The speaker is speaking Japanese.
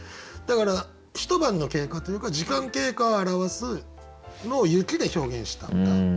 だから一晩の経過というか時間経過を表すのを雪で表現した歌。